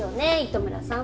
糸村さん。